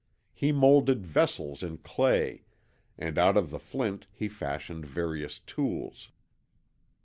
He moulded vessels in clay, and out of the flint he fashioned various tools.